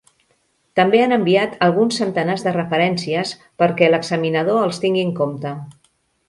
També han enviat alguns centenars de referències perquè l'examinador els tingui en compte.